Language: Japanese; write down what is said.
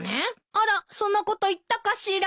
あらそんなこと言ったかしら。